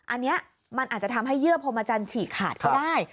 อันนี้มันอาจจะทำให้เยื่อพรหมจันทร์ฉีกขาดก็ได้